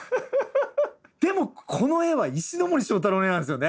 でもこの絵は石森章太郎の絵なんですよね。